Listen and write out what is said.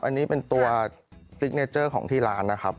ข้างบัวแห่งสันยินดีต้อนรับทุกท่านนะครับ